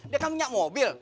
dia kan minyak mobil